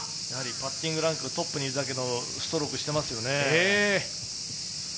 パッティングランクトップにいるだけのストロークをしていますよね。